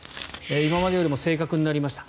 今までよりも正確になりました。